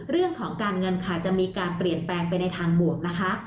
เรื่องของการเงินค่ะจะมีการเปลี่ยนแปลงไปในทางบวกนะคะ